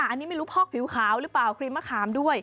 อันนี้ไม่รู้พอกผิวขาวหรือเปล่าครีมมะขามด้วย